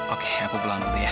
oke aku pulang dulu ya